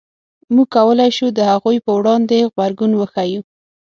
موږ کولای شو د هغوی په وړاندې غبرګون وښیو.